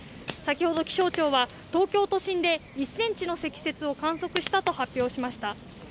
先ほど気象庁は、東京都心で１ｃｍの積雪を観測したと発表しました。